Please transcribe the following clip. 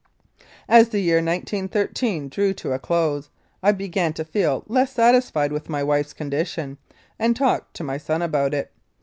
As the year 1913 drew to a close, I began to feel less satisfied with my wife's condition, and talked to my son about it.